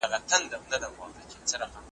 ورځي نه دي.